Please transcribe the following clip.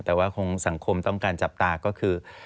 แต่ว่าคงสังคมต้องการจับตาก็คือ